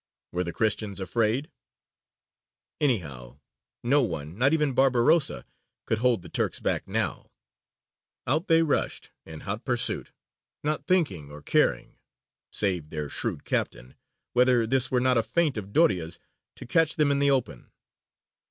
_ Were the Christians afraid? Anyhow no one, not even Barbarossa, could hold the Turks back now. Out they rushed in hot pursuit, not thinking or caring save their shrewd captain whether this were not a feint of Doria's to catch them in the open.